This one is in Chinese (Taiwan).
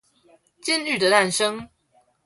監獄的誕生